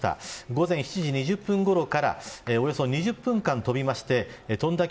午前７時２０分ごろからおよそ２０分間飛びまして飛んだ